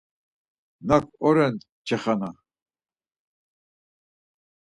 Nak oren Çexana?